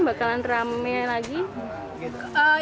bakalan rame lagi